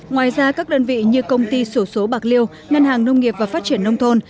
ngoài ra các đơn vị như công ty sổ số bạc liêu ngân hàng nông nghiệp và phát triển nông thôn